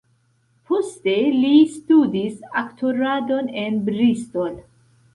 Poste li studis aktoradon en Bristol.